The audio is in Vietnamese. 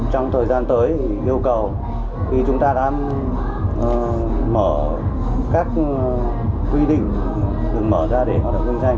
trong thời gian tới thì yêu cầu khi chúng ta đã mở các quy định được mở ra để hoạt động kinh doanh